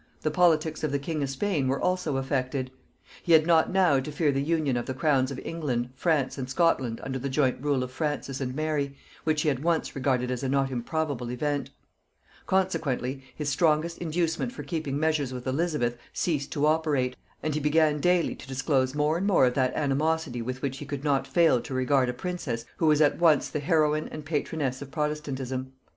the politics of the king of Spain also were affected. He had not now to fear the union of the crowns of England France and Scotland under the joint rule of Francis and Mary, which he had once regarded as a not improbable event; consequently his strongest inducement for keeping measures with Elizabeth ceased to operate, and he began daily to disclose more and more of that animosity with which he could not fail to regard a princess who was at once the heroine and patroness of protestantism.